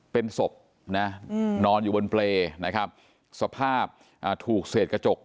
เป็นศพนะนอนอยู่บนเปรย์นะครับสภาพถูกเศษกระจก